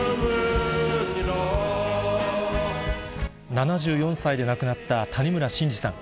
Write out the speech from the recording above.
７４歳で亡くなった谷村新司さん。